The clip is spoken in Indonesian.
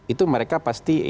itu mereka pasti